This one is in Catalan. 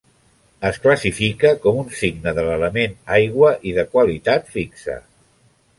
Es classifica com un signe de l'element aigua i de qualitat fixa.